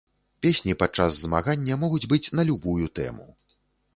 Песні падчас змагання могуць быць на любую тэму.